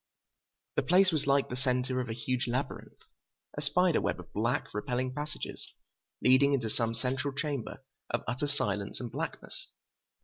The place was like the center of a huge labyrinth, a spider web of black, repelling passages, leading into some central chamber of utter silence and blackness.